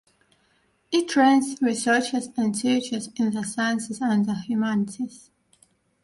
It trains researchers and teachers in the sciences and the humanities.